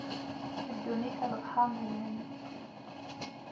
A ddunit a lebḥer n lhem.